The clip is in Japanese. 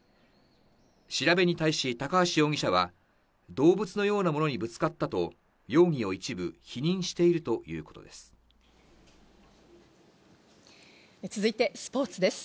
調べに対し高橋容疑者は、動物のようなものにぶつかったと容疑を一部否認しているということです。